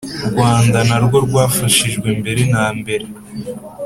Rwanda narwo rwafashijwe mbere na mbere